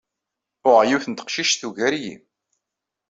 Uɣeɣ yiwet n teqcict tugar-iyi.